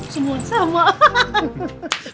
semuanya sama hahaha